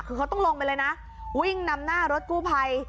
คือเขาต้องลงไปเลยนะวิ่งนำหน้ารถกู้ภัย